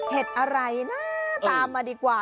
อะไรนะตามมาดีกว่า